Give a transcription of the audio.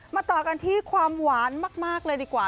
ต่อกันที่ความหวานมากเลยดีกว่า